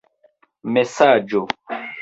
mesaĝo